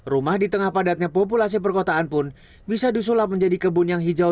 rumah di tengah padatnya populasi perkotaan pun bisa disulap menjadi kebun yang hijau